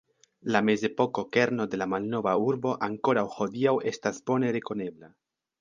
La mezepoko kerno de la malnova urbo ankoraŭ hodiaŭ estas bone rekonebla.